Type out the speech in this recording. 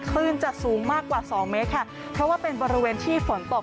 คลื่นจะสูงมากกว่าสองเมตรค่ะเพราะว่าเป็นบริเวณที่ฝนตก